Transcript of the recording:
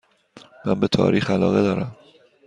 من به تاریخ علاقه دارم.